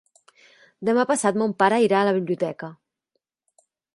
Demà passat mon pare irà a la biblioteca.